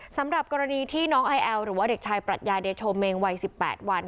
สำหรับกรณีที่น้องไอแอลหรือว่าเด็กชายปรัชญาเดโชเมงวัย๑๘วัน